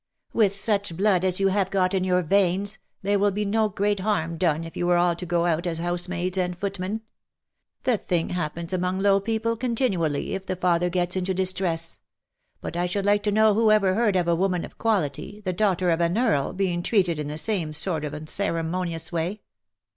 With such blood as you have got in your veins, there will be no great harm done if you were all to go out as housemaids and footmen. The thing happens among low people continually, if the father gets into distress ; but I should like to know who ever heard of a woman of quality, the daughter of an earl, being treated in the same sort of unceremonious way